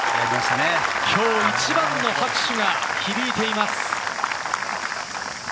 今日一番の拍手が響いています。